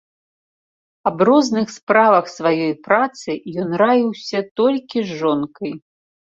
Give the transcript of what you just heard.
Аб розных справах сваёй працы ён раіўся толькі з жонкай.